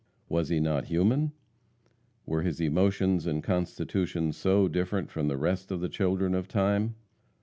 Was he not human? Were his emotions and constitution so different from the rest of the children of time?